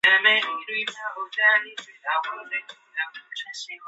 现效力于俄克拉何马城雷霆。